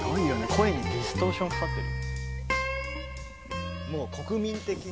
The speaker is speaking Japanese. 声にディストーションかかってる。